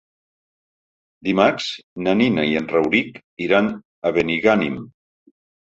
Dimarts na Nina i en Rauric iran a Benigànim.